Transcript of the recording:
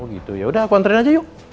oh gitu yaudah aku antren aja yuk